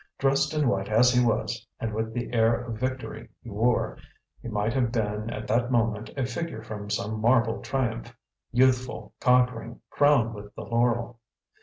Dressed in white as he was, and with the air of victory he wore, he might have been, at that moment, a figure from some marble triumph; youthful, conquering crowned with the laurel.